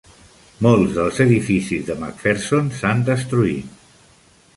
Molts dels edificis de MacPherson s'han destruït.